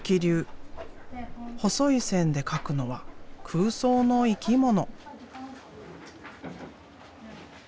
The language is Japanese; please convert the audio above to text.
細い線で描くのは空想の生き物。